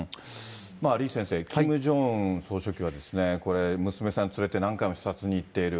李先生、キム・ジョンウン総書記はこれ、娘さん連れて、何回も視察に行っている。